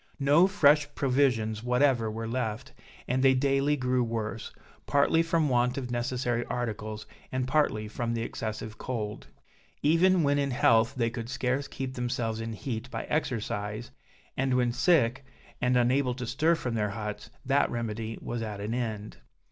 No fresh provisions whatever were left, and they daily grew worse, partly from want of necessary articles, and partly from the excessive cold. Even when in health they could scarce keep themselves in heat by exercise; and when sick, and unable to stir from their huts, that remedy was at an end.